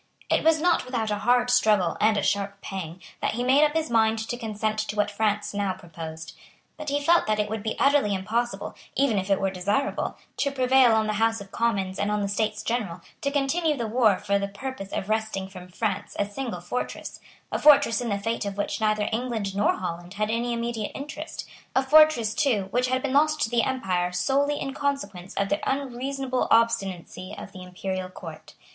It was not without a hard struggle and a sharp pang that he made up his mind to consent to what France now proposed. But he felt that it would be utterly impossible, even if it were desirable, to prevail on the House of Commons and on the States General to continue the war for the purpose of wresting from France a single fortress, a fortress in the fate of which neither England nor Holland had any immediate interest, a fortress, too, which had been lost to the Empire solely in consequence of the unreasonable obstinacy of the Imperial Court.